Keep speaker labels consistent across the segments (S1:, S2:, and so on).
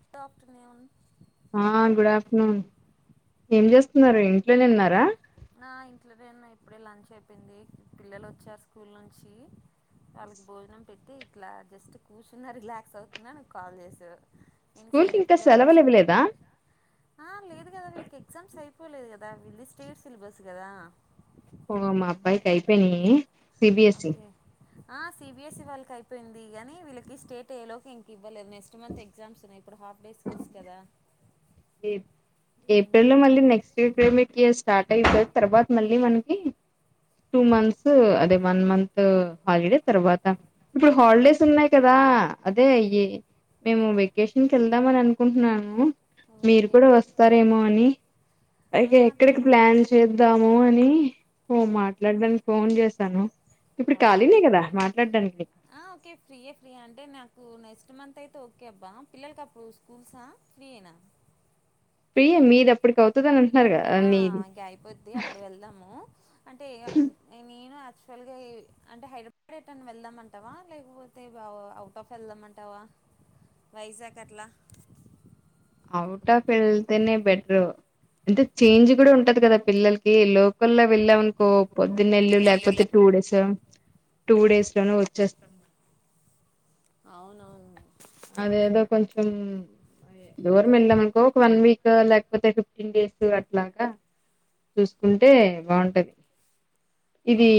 S1: Good afternoon
S2: ఆ good afternoon ఏం నరేం
S1: నా ఇంట్లోదిన్న ఇప్పుడే లంచ్ అప్ ప్పింది పిల్లలు వచ్చారు స్కూల్ నుంచి వాళ్ళకి భోజనం పెట్టి ఇట్లా జస్ట్ కూర్చున్న రిలాక్స్ అవుతున్న నువ్ కాల్ చేసావ్ ఏంది
S2: స్కూల్ కి
S1: సంగతి
S2: ఇంకా
S1: పిల్లలు వచ్చ
S2: సెలవులు ఇవ్వలేదా
S1: ఆ లేదు కదా వీళ్ళకి ఎగ్జామ్స్ అయిపోలేదు. ఇది స్టేట్ సిలబస్ గదా
S2: ఉగొ మా అబ్బాయికి అయిపేయినయి C B S E
S1: okay ఆ సి బి ఎస్ ఈ వాళ్ళ కు అయిపోయింది గాని వీళ్ళకి స్టేట్యే లోకి ఇంకివ్ ఇవ్వలేదు నెక్ట్ మంత్ ఎగ్జామ్స్ ఉన్నాయి ఇప్పుడు హాఫ్ డేస్ స్కూల్స్ కదా
S2: ఏప్ ఏప్రిల్ లో మళ్ళీ నెక్స్ట ఇటర్మిట్ చేస్ స్టార్ట్ అయిపోద్ తర్వాత మళ్ళీ మనకి టూ మంత్స్ అదే వన్ మంత్ హాలిడే తర్వాత ఇప్పుడు హాలిడేస్ ఉన్నాయి కదా అదే అయ్యి మేము వెకేషన్కి వెళ్దామ అని అనుకుంటున్నాను. మీరు
S1: ఓకే
S2: కూడా వస్తారేమో అని
S1: ఆ
S2: అయితే ఎక్కడికి ప్లాన్ చేద్దాము అని ఓ మాట్లాడడానికి ఫోన్ చేస్
S1: ఆహ
S2: మాట్లాడడానికి నీకు
S1: ఆ ఓకే ఫ్రీయే ఫ్రీయే అంటే నాకు నెస్ ట్ మంత్ అయితే ఓకే అబ్బా పిల్లలకి అప్పుడు స్కూల్సా ఫ్రీ ఏనా
S2: పియె మీది ఎప్పటికి అవుత్
S1: ఆ ఇంకా అయిపోద్ది అప్పుడు వెళ్దాము అంటేే ఇగ ఆ నేను యాక్చువల్గా ఏ అంటే హైదరా ఇప్పుడు ఏటన్నా వెళ్దామంటావా లేకపోతే అవుట్ ఆఫ్ వెళ్దామంటావా? వైజాగ్ అట్లా
S2: ఔట్ ఆఫ్ వెళ్తేనే బెటరు అంటే చేంజ్ కూడా ఉంటది కదా పిల్లలకి లోకల్ల్లో వెళ్ళామనుకో పొద్దునెల్
S1: నెల్లూరు
S2: లేకపోతే టూ డేస్ టూ డేస్ లోనూ వచ్చేస్తాం
S1: అవునవును
S2: అదే ఏదో కొంచం దూరం వెళ్ళామ అనుకో ఒక వన్ వీక్ లేకపోతే ఫిఫ్టీన్ డేస్ అట్లాగా చూసుకుంటే బాగుంటది ఇది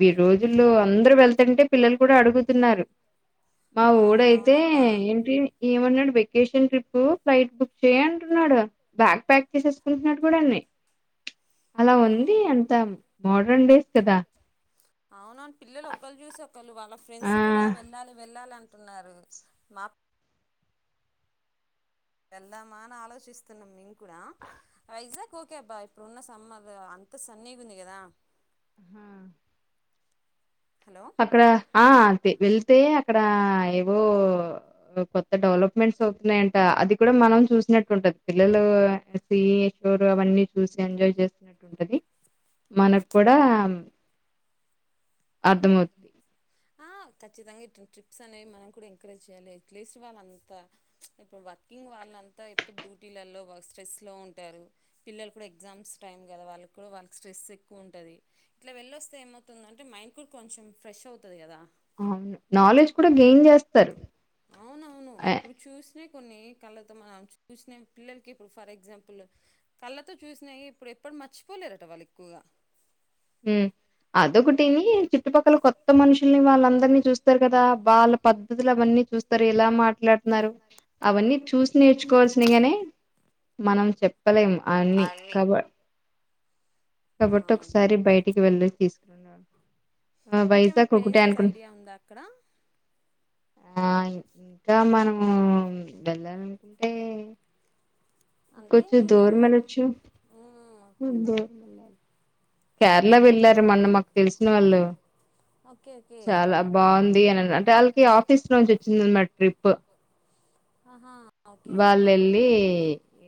S2: వ రోజుల్లో అందరూ వెళ్తంటే పిల్లలు కూడా అడుగుతున్నారు వోడు
S1: అవును
S2: ఐతే
S1: అవునబ్బా
S2: ఏంటి న్నాడు వెకేషన్ ట్రిప్ ఫ్లైట్ బుక్ చేయ అంటున్నాడు బ్యాగ్ ప్యాక్ చేసేసుకుంటున్నాడు కూడా అన్న అలా
S1: ఆ
S2: ఉంది అంత మోడ్రన్ డేస్ కదా
S1: క్కళ వాళ్ళ
S2: ఆ
S1: ఫ్రెండ్స్ కూడా వెళ్ళాలి వెళ్ళాలింటున్నారు మా వెళ్దామా అని ఆలోచిస్తున్నాం ఇం కూడా పైజా ఓకే అబ్బా ఇప్పుడు ఉన్న సమ్ అంత సన్నీగా ఉంది కదా
S2: హా
S1: హలో
S2: అక్కడ ఆ వెళ్తే అక్కడ ఏవో కొత్త డెవలప్మెంట్స్ అవుతున్నాయంట అది కూడా మనం చూసినట్టు ఉంటది పిల్లలు సి షోర్ అవన్నీ చూసి ఎంజాయ్ చేస్తుినట్టు ఉంటది మనకు కూడా అర్థమవుతుంది
S1: ఆ ఖచ్చితంగా ఇ ట్రిప్స్ అనేవి మనం కూడా ఎంకరేజ్ చేయాలి అట్లీస్ట్ వాళ్ళంతా ఇప్పుడు వర్కింగ్ వాళ్ళ అంతా ఎప్పుడు డ్యూటీలలో స్ట్రెస్ లో ఉంటారు పిల్లలు కూడా ఎగ్జామ్స్ టైమ్ కదా వాళ్ళ కూడా వాళ్ళ స్ట్రెస్ ఎక్కువ ఉంటది ఇలా వెళ్ళొస్తే ఏమవుతుంద అంటే మైండ్ కూడా కొంచం ఫ్రెష్ అవుతుంది కదా
S2: అవును నాలెడ్జ్ కూడా గెయిన్ చేస్తారు
S1: అవునవును ఇప్పుడు చూసి కొన్ని కళ్ళతో మనం చూసిన పిల్లకి ఇప్పుడు ఫర్ ఎగ్జాంపుల్ కళ్ళతో చూసినాయి ఇప్పుడు ఎప్పుడు మర్చిపోలేరట వాళ్ళు ఎక్కువగా
S2: హ అదొకటిని చుట్టుపక్కల కొత్త మనుషుల్ని వాళ్ళందరినీ చూస్తారు కదా వాళ్ళ పద్ధతులు అవన్నీ చూస్తారు ఇలా మాట మాట్లాడుతున్నారు అవన్నీ చూసి నేర్చుకోవాల్సినగానే మనం చెప్ పలయం అన్ని కబడ్ కాబట్టి
S1: అవును
S2: ఒకసారి బయటికి వెళ్ళి తీసుకున్నా
S1: ఇంకేమై ప్లేసెస్ ఐడియా ఉందా అక్కడ
S2: ఆ ఇంకా మనము వెళ్ళాలనుకుంటే
S1: అంటే
S2: కొచ్చం
S1: నేను
S2: దూర మల
S1: ఏమను
S2: వచ్చు
S1: మ్మ్.
S2: దూర్ కేరళ
S1: ఎత్-
S2: వెళ్ళారు మొన్న తెలిసిన వాళ్ళు
S1: ఓకే ఓకే
S2: చాలా బాగుంది అని అంటే వాళ్ళకి ఆఫీస్ నుంచి వచ్చింది మ ట్రిప్
S1: ఆహా ఓకే
S2: వాళ్ళ వెళ్ళి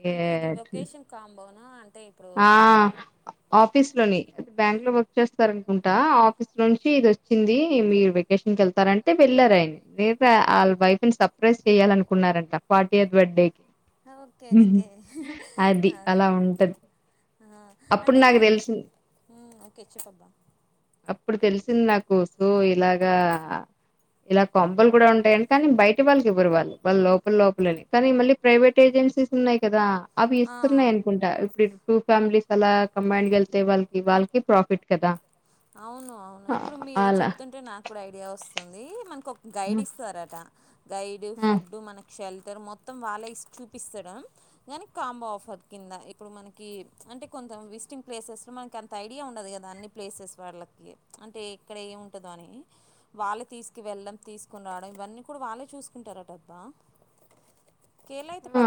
S2: ఏ
S1: అంటే ఇది వెకేషన్ కాంబోనా అంటే ఇప్పుడు
S2: ఆ
S1: కొన్నిం
S2: ఆఫీస్ లోని బ్యాంక్ లో బర్క్ చేస్తార అనుకుంటా ఆఫీస్ లోంచి ఇది వచ్చింది మీరు వెకేషన్ క వెళ్ స్తారంటే వెళ్ళారు ఆయన మీరుళ్ళ వైఫ్ ని సర్ప్రైజ్ చెయ్యాలనుకున్నారంట ఫార్టీయత్ బర్త్డేి
S1: ఓకే కే
S2: అది
S1: అదే
S2: అలా ఉంటది అప్పుడు
S1: అంటే
S2: నాకు తెలిసింది
S1: ఓకే చెూప్పబ్బా
S2: అప్పుడు తెలిసింది నాకు సో ఇలాగా ఇలా కొంబలు కూడా ఉంటాయయండి కానీ బయట వాళ్ళకి ఎవ్వరు వాళ్ళు వాళ్ళ లోపల లోపలే కానీ మళ్ళీ ప్రైవేట్ ఉన్నాయి కదా అవి
S1: ఆ,
S2: ఇస్తున్నాయి అనుకుంటా ఇప్పుడు టూ ఫ్యామిలీస్ అలా కమైండ్ వెళ్తే వాళ్ళకి వాళ్ళకి ప్రాఫిట్ కదా
S1: అవును అవును
S2: ఆ!
S1: ఇప్పుడు మీరు
S2: అలా.
S1: చెప్తుంటే నాకు కూడా ఐడియా వస్తుంది మనకు ఒక గైడ్
S2: హ్మ్.
S1: ఇస్తార దా గైడ్
S2: హ్మ్.
S1: ఫుడ్ మన క్షళ్తారు మొత్తం వాళ్ళ ఇస్ చూపిస్తాడా కానీ కాంబో ఆఫర్ కింద ఇప్పుడు మనకి అంటే కొంత విజిటింగ్ ప్లేసెస్ లో మనకింత ఐడియా ఉండదు కదా అన్ని ప్లేసెస్ వాళ్ళకి అంటే ఇక్కడ ఏమింటందో అని వాళ్ళు తీసుకు వెళ్ళడం తీసుకుని రావడం ఇవన్నీ కూడా వాళ్ళే చూసుకుంటారాటబ్బా
S2: ఆ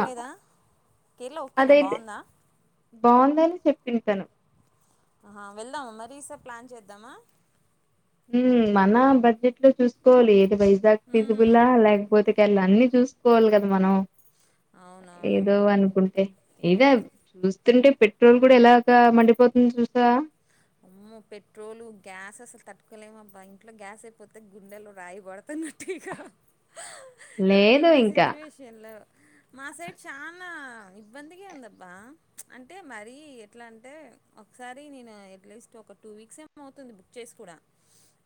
S1: కేరళ ఓకేనా
S2: అదైతే
S1: బాగుందా
S2: బాగుందని చెప్పింది తను
S1: ఆహా వెళ్దామా మరీ ఈ సారి ప్లాన్ చేద్దామా
S2: ఉ మన బడ్జెట్ లో చూసుకోవాలి ఇది వైజాగ్
S1: మ్మ్.
S2: ఫిజిబులా లేకపోతే ఎల్ అన్ని చూసుకోవాలి కదా మనం
S1: అవునవును
S2: ఏదో అనుకుంటే ఇద చూస్తుంటే పెట్రోల్ కూడా ఎలాగా మండిపోతుంది చూసా
S1: ఆమ్మో పెట్రోలు గ్యాస్ అసలు తట్టుకోలేము అబ్బా ఇంట్లో గ్యాస్ అయిపోతే గుండెలు రాయిబడు నన్ను నట్కా ఇగ
S2: లేదు
S1: ఇప్పుడున్న
S2: ఇంకా.
S1: సిచ్యువేషన్ లో మా సైడ్ చానా ఇబ్బందిగా ఉంది అబ్బా అంటే మరి ఎట్లా అంటే ఒకసారి నేను నీ నాయిఅప్ అట్లీస్ట్ ఒక టూ వీక్స్ ఏమో అవుతుంది బుక్ చేసి కూడా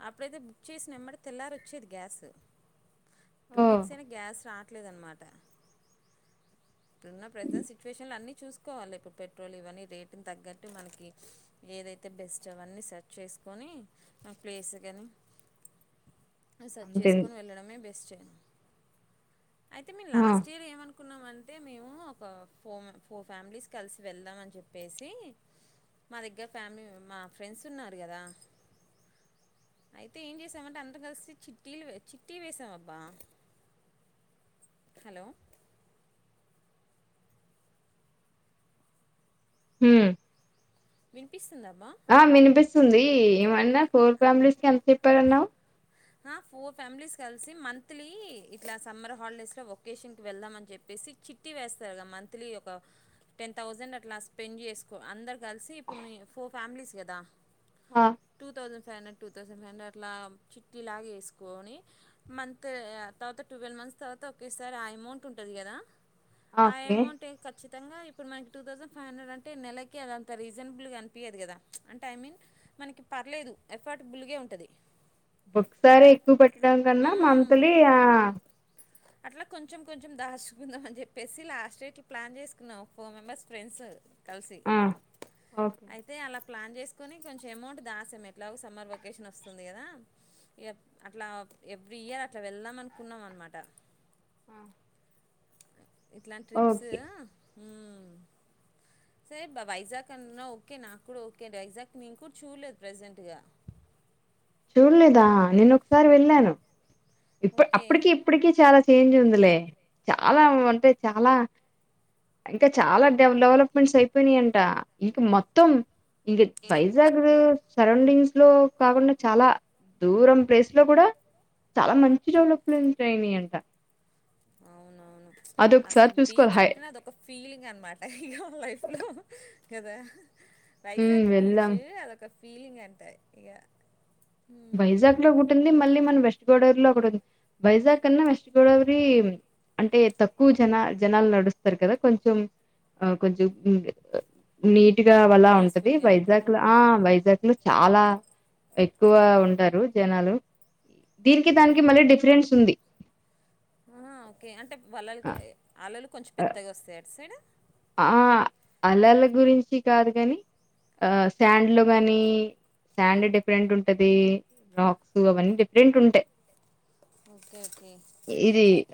S1: అప్పుడైతే బుక్ చేసిన ఎంబటే తెల్లారి వచ్చేది గ్యాస్ టూ
S2: ఓహ్!
S1: వీక్స్ అయినా గ్యాస్ రాట్లేదు అన్నమాట ఇప్పుడున్న ప్రెసెంట్ సిచువేషన్ లో అన్ని చూసుకోవాలి ఇప్పుడు పెట్రోల్ ఇవన్నీ రేటుని తగ్గట్టు మనకి ఏదైతే బెస్ట్ అవన్నీ సెర్చ్ చేసు కొని నా ప్లేస్ కానీ ఆ సర్చ్
S2: అంతిన్
S1: చేసుకొని వెళ్ళడమే బెస్ట్ అయితే మేము
S2: ఆ
S1: లాస్ట్ ఇయర్ ఏమను కున్నామంటే మేము ఒక ఫోర్ ఫోర్ ఫ్యామిలీస్ కలిసి వెళ్దాం అని చెప్పేసి మా దగ్గర ఫ్యామిలీ మా ఫ్రెండ్స్ ఉన్నారు కదా అయితే ఏం చేసామంటే అందరు కలిసి చిట్టీలు చిట్టీ వేసాం అబ్బా హలో
S2: హమ్
S1: వినిపిస్తుందబ్బా
S2: ఆ వినిపిస్తుంది ఏమన్నా ఫోర్ ఫ్యామిలీస్ కి ఎంత చెప్పారన్నావు
S1: ఆ ఫోర్ ఫ్యామిలీస్ కలిసి మంత్లీ ఇట్లా సమ్మర్ హాలిడేస్ లో ఒకేషన్ కి వెళ్దాం అని చెప్పి సిక్ చిట్టి వేస్తారు గా మంత్లీ ఒక టెన్ థౌసండ్ అట్లా స్పెండ్ చేసుకో అందరు కలిసి ఇప్పుడు నీ ఫోర్ ఫ్యామిలీస్ కదా
S2: ఆ
S1: two thousand five hundred two thousand five hundred అట్లా టిలాగ వేసుకొని మంత్ తర్వాత ట్వీలివ్ మంత్స్ తర్వాత ఒకేసారి ఆ అమౌంట్ ఉంటుంది కదా ఆ ఏమౌంటే ఖచ్చిత్ మొత్తంగా ఇప్పుడు మనకి టూ థౌసండ్ ఫైవ్ హండ్రెడ్ అంటే నెలకి అది అంతా రీజనబుల్గా అనిపియదు కదా అంటే ఐ మీన్ మనకి పర్లేదు ఎఫర్ట్ బుల్గే ఉంటది
S2: ఓక్ సారి ఎక్కువ పెట్టడం కన్నా మంత్లీ ఆ
S1: అట్లా కొంచెం కొంచెం దాచుకుందాం అని చెప్పేసి లాస్ట్ డేట్లు ప్లాన్ చేసుకున్నాం ఫోర్ మెంబెర్స్ ఫ్రెండ్స్ కలిసి
S2: ఆ ఓకే
S1: అయితే అలా ప్లాన్ చేసుకొని కొంచెం అమౌంట్ దాసాం ఎట్లాగో సమ్మర్ వెకేషన్ వస్తుంది కదా యా అట్లా ఎవ్రీ ఇయర్ అట్లా వెళ్దాం అనుకున్నాం అనమాట
S2: ఆ
S1: ఇట్లా ట్రిప్స్
S2: ఓకే
S1: దే బా వైజాగ్ అంటన్నావు ఓకే నాకు కూడా ఓకే అండి వైజాగ్ నేను కూడా చూడలేదు ప్రజెంట్గా
S2: చూడలేదా నేను ఒకసారి వెళ్ళాను ఇప్పు
S1: ఓకే
S2: అప్పటికి ఇప్పటికి చాలా చేంజ్ ఉంది లే చాలా అంటే చాలా ఇంకా చాలా డె డెవలప్మెంట్స్ అయిపోయినాయంట ఇంకా మొత్తం ఇం వైజగదు సరౌండింగ్స్ లో కాకుండా చాలా దూరం ప్లేస్ లో కూడా చాలా మంచి డెవలప్మెంట్ అయినాయి అంట
S1: అవునవును అసలు బీచ్ అంటేనే అద ఒక ఫీలింగ్ అనమాట ఇక లైఫ్ లో కదా
S2: హ్మ్
S1: వైజాగ్ బీచ్
S2: వెళ్ళాం
S1: అదొక ఫీలింగ్ అంటాయి ఇక మ్మ్.
S2: వైజాగ్ లో ఒకటి ఉంది మళ్ళీ మనం వెస్ట్ గోదావరిలో ఒకటి ఉంది వైజాగ్ కన్నా వెస్ట్ గోదావరి అంటే తక్కువ జనా జనాలు నడుస్తారు కదా కొంచెం ఆ కొంచం నీట్ గా వలా ఉంటది
S1: పీస్ఫుల్గా
S2: వైజాగ్
S1: ఉంటుంది
S2: లో ఆ వైజాగ్ లో చాలా ఎక్కువ ఉంటారు జనాలు దీనికి
S1: ఓకే
S2: దానికి మళ్ళీ డిఫరెన్స్ ఉంది
S1: వాళ్ళలు
S2: ఆహ్,
S1: అల్లలు కొంచెం
S2: ఆహ్,
S1: పెద్దగా వస్తాయ అటు సైడ్
S2: ఆ అల్లల గురించి కాదు కాని ఆ శెండ్ లో కాగానీ శాండ్ డిఫరెంట్ ఉంటది రాక్స్ అవన్నీ డిఫరెంట్ ఉంటాయి
S1: okay okay sir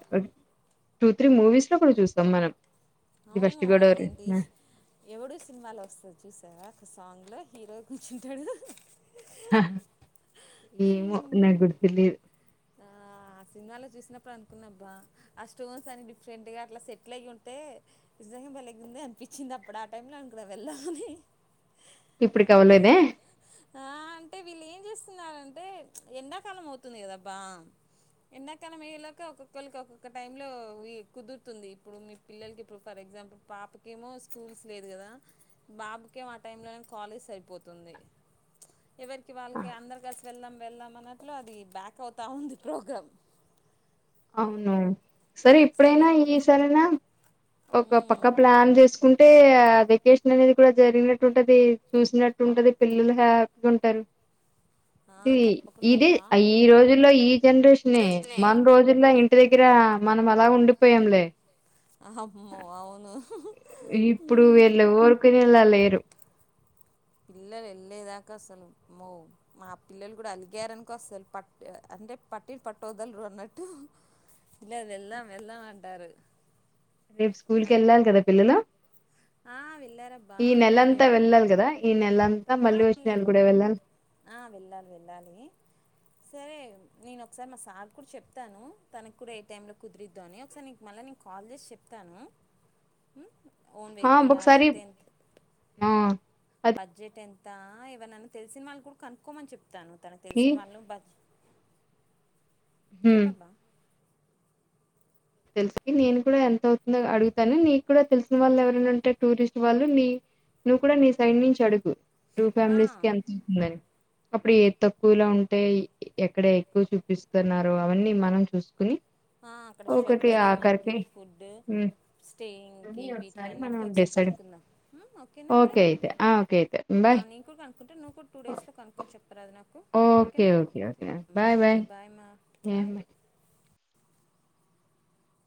S2: two three movies లో కూడా చూస్తాం మనం 'ఇది
S1: అవును
S2: వెస్ట్ గోదావరి'
S1: అదేంటి ఎవడూ సినిమాలు వస్తంది చూసారా ఒక సాంగ్ లో హీరో కూర్చుంటాడు
S2: ఏమో నాకు గుర్తులేదు
S1: ఆ సినిమాలో చూసినప్పుడు అనుకున్నాబ్బా ఆ స్టోన్స్ అని డిఫరెంట్ గా అట్లా సెటిల్ అయ ఉంటే బ్యాలెగుంది అనిపించింది అప్పుడు ఆ టైమ్ లో అని కూడా వెళ్దామని
S2: ఇప్పుడుకి అవ్వలేదే
S1: ఆ అంటే వీళ్ళు ఏం చేస్తున్నారంటే ఎండాకాలం అవుతుంది కదాబ్బా ఎండాకాలం అయ్య లోక ఒక్కొక్కళ్రికి ఒక్కొక్క టై లో కుదురుతుంది ఇప్పుడు మీ పిల్లలకి ఇప్పుడు పర ఎగ్జాంపుల్ పాపకేమో స్కూల్స్ లేదు కదా బాబుకేం ఆ టైంలోనే కాలేజ్ సరిపోతుంది ఎవరికి వాళ్ళకి అందరు కలిసి వెళ్దాం వెళ్దాం అన్నట్లు అది బ్యాక్ పోతా ఉంది ప్రోగ్రాం
S2: అవును సరే ఇప్పుడైనా ఈ సరైన ఒక
S1: మ్మ్
S2: పక్క ప్లాన్ చేసుకుంటే ఆ వెకేషన్ అనేది కూడా జరిగినట్టు ఉంటది చూసినట్టు ఉంటది పిల్లలు హ్యాపీగా ఉంటారు
S1: ఆ
S2: ఇది
S1: తప్పకుండా
S2: ఇది
S1: అబ్బా
S2: ఈ రోజుల్లో ఈ జనరేషన్
S1: కృష్ణే
S2: మన రోజులు ఇంటి దగ్గర మనం అలా ఉండిపోయాంలే.
S1: అమ్మో అవును
S2: ఇప్పుడు
S1: ఉమ్.
S2: వీళ్లు ఊరుకునేలా లేరు.
S1: పిల్లలు వెళ్ళలేదాకా అసలు అమో మా పిల్లలు కూడా అలిగారనికో అసలు పట్ అంటే పట్టిన పట్టుదలున్నట్టు ఇలా వెళ్దాం వెళ్దాం అంటారు.
S2: రేపు స్కూల్ కి వెళ్ళాలి కదా పిల్లలు
S1: ఆ వెళ్ళారబ్బా
S2: ఈ
S1: వెళ్ళి
S2: నెలంతా వెళ్ళాలి కదా ఈ నెలంతా
S1: ఆ
S2: మళ్ళీ వచ్చే
S1: వెల్
S2: నెలలు కూడా వెళ్ళాలి.
S1: ఆ వెళ్ళాలి వెళ్ళాలి. సరే నేను ఒకసారి మా సార్ కూడా చెప్తాను తనకి కూడా ఏ టైమ్ లో కుదిరిద్దో అని ఒకసారి నీకు మళ్లీ కాల్ చేసి చెప్తాను. ఉమ్, ఓన్
S2: హా
S1: వెహికలా
S2: బొక్కసారి
S1: లేకపోతే ఎంత
S2: ఆ
S1: బడ్జెట్ ఎంత ఎవననా తెలిసిన వాళ్ళు కూడా కనుకో మని చెప్తాను. తన
S2: కి
S1: తెలిసిన వాళ్ళు బడ్
S2: హ్మ్
S1: చెప్పా అక్క
S2: తెలుసుకి నేను కూడా ఎంత అవుతుందో అడుగుతాను నీకు కూడా తెలిసిన వాళ్ళు ఎవరైనా ఉంటే టూరిస్ట్ వాళ్ళు నీ నువ్వు కూడా నీ సైడ్ నుంచి అడుగు టూ
S1: ఆ,
S2: ఫ్యామిలీస్ కి ఎంత అవుతుందని. అప్పుడు ఏ తక్కువలా ఉంటే ఎక్కడ ఎక్కువ చూపిస్తున్నో అవన్నీ మనం చూసుకుని
S1: ఆ అక్కడ
S2: ఒకటి
S1: షెల్టర్ మనకి
S2: ఆఖరికి
S1: ఫుడ్
S2: హ్మ్
S1: స్టేయింగ్ కి
S2: అన్నీ
S1: వీటికి
S2: ఒకసారి మనం
S1: అన్నిటికి ఒకసారి
S2: డిసైడ్
S1: కనుక్కుందాం ఓకేనా మరి
S2: ఓకే అయితే ఆ ఓకే అయితే
S1: ఆ
S2: బాయ్
S1: నేను కూడా కనుక్కుంటా నువ్ కూడా టూ డేస్ లో కనుక్కొని చెప్పరాదు నాకు
S2: ఓకే
S1: ఓకేనా
S2: ఓకే ఓకే
S1: ఉమ్,
S2: బాయ్
S1: ఓకే
S2: బాయ్
S1: మా బాయ్